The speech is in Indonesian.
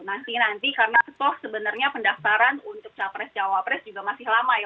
nanti nanti karena toh sebenarnya pendaftaran untuk capres cawapres juga masih lama ya